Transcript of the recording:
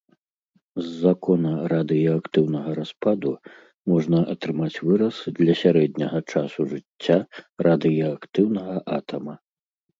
З закона радыеактыўнага распаду можна атрымаць выраз для сярэдняга часу жыцця радыеактыўнага атама.